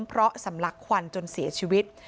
เพราะสำลักควันจนเสียชีวิต